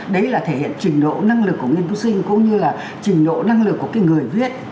đấy là thể hiện trình độ năng lực của nghiên cứu sinh cũng như là trình độ năng lực của cái người viết